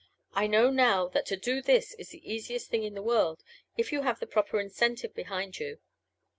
I know now that to do this is the easiest thing in the world if you have the proper incentive behind you.